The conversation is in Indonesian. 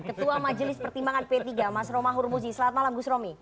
ketua majelis pertimbangan p tiga mas romah hurmuzi selamat malam gus romi